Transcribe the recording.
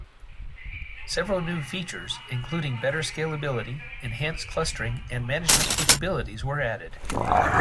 Several new features, including better scalability, enhanced clustering and management capabilities were added.